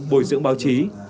bồi dưỡng báo chí